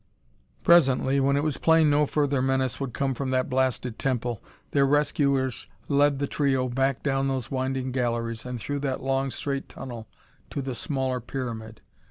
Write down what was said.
Presently, when it was plain no further menace would come from that blasted temple, their rescuers led the trio back down those winding galleries, and through that long, straight tunnel to the smaller pyramid.